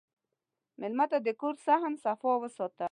مېلمه ته د کور صحن صفا وساته.